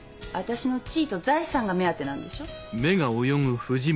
私の地位と財産が目当てなんでしょ？